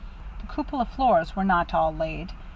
The cupola floors were not all laid.